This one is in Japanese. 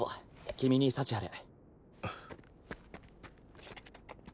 君に幸あれ。